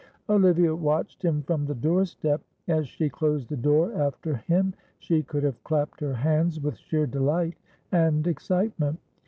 Olivia watched him from the doorstep. As she closed the door after him, she could have clapped her hands with sheer delight and excitement.